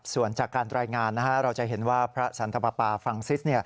ส่วนจากการรายงานเราจะเห็นว่าพระสันทปาฟังซิส